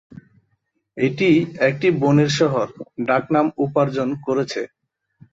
এটি "একটি বনের শহর" ডাকনাম উপার্জন করেছে।